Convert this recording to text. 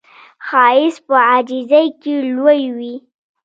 ښایست په عاجزۍ کې لوی وي